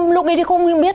lúc ấy thì không biết